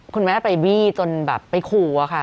คุณแม่ไปบี้จนแบบไปขู่อะค่ะ